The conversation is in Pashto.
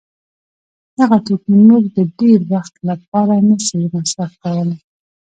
دغه توکي موږ د ډېر وخت له پاره نه سي مصروف کولای.